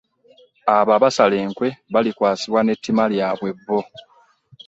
Abo abasala enkwe balikwasibwa n'ettima lyabwe bo.